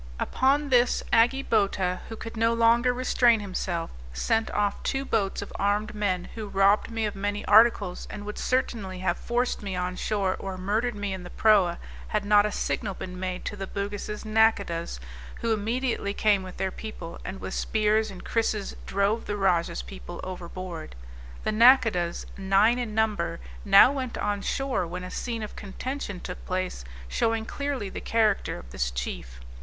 Upon this Agi Bota, who could no longer restrain himself, sent off two boats of armed men, who robbed me of many articles, and would certainly have forced me on shore, or murdered me in the proa had not a signal been made to the Bugis' nacodahs, who immediately came with their people, and with spears and krisses, drove the rajah's people overboard. The nacodahs, nine in number, now went on shore, when a scene of contention took place showing clearly the character of this chief.